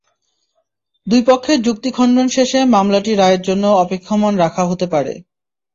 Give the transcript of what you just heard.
দুই পক্ষের যুক্তি খণ্ডন শেষে মামলাটি রায়ের জন্য অপেক্ষমাণ রাখা হতে পারে।